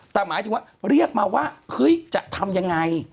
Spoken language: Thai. แต่หมายถึงว่าเรียกมาว่าเฮ้ยจะทำยังไง